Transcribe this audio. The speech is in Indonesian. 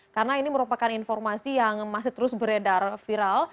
karena ini merupakan informasi yang masih terus beredar viral